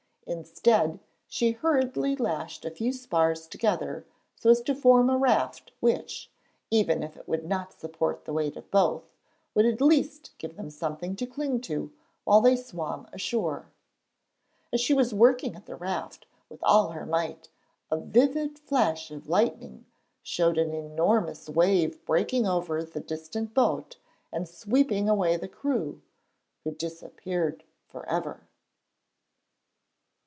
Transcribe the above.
Instead, she hurriedly lashed a few spars together so as to form a raft which, even if it would not support the weight of both, would at least give them something to cling to while they swam ashore. As she was working at the raft with all her might, a vivid flash of lightning showed an enormous wave breaking over the distant boat and sweeping away the crew, who disappeared for ever.